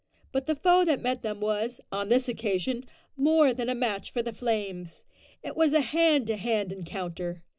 But the foe that met them was, on this occasion, more than a match for the flames. It was a hand to hand encounter.